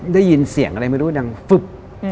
ได้ยินเสียงอะไรไม่รู้ดังฟึบ